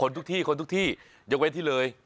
ทุกที่คนทุกที่ยกเว้นที่เลย